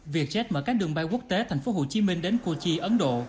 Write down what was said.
việc jet mở các đường bay quốc tế thành phố hồ chí minh đến cu chi ấn độ